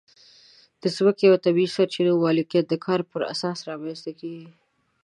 د ځمکې او طبیعي سرچینو مالکیت د کار پر اساس رامنځته کېږي.